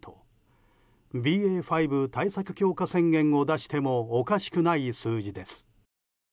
ＢＡ．５対策強化宣言を出してもおかしくない数字です。